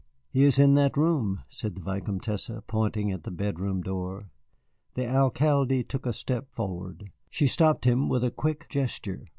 "He is in that room," said the Vicomtesse, pointing at the bedroom door. The Alcalde took a step forward. She stopped him by a quick gesture.